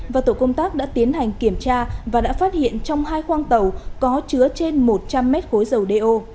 và tổ công tác đã tiến hành kiểm tra và đã phát hiện trong hai khoang tàu có chứa trên một trăm linh mét khối dầu đeo